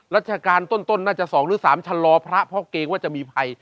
ราชการต้นน่าจะ๒หรือ๓ชะลอพระเพราะเกรงว่าจะมีภัย